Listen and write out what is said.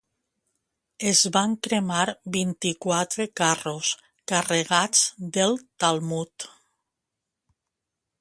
Es van cremar vint-i-quatre carros carregats del Talmud.